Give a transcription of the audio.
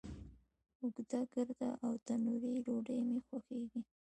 اوږده، ګرده، او تنوری ډوډۍ می خوښیږی